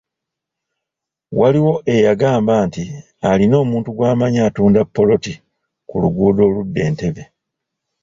Waliwo eyagamba nti alina omuntu gw’amanyi atunda ppoloti ku luguudo oludda Entebbe.